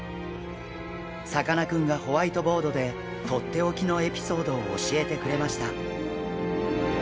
さかなクンがホワイトボードでとっておきのエピソードを教えてくれました。